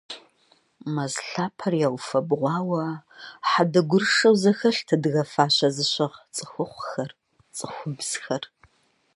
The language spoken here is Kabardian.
Мэз лъапэр яуфэбгъуауэ хьэдэ гурышэу зэхэлът адыгэ фащэ зыщыгъ цӀыхухъухэр, цӀыхубзхэр.